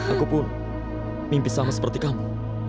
aku pun mimpi sama seperti kamu